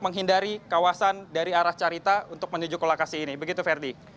menghindari kawasan dari arah carita untuk menuju ke lokasi ini begitu ferdi